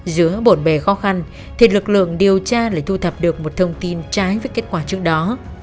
giữa bộn bề khó khăn thì lực lượng điều tra lại thu thập được một thông tin trái với kết quả trước đó